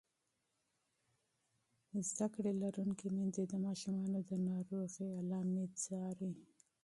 تعلیم لرونکې میندې د ماشومانو د ناروغۍ نښې څاري.